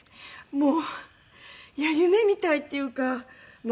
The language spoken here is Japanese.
もういや夢みたいっていうか